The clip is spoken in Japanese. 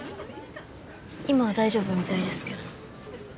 今は大丈夫みたいですけど。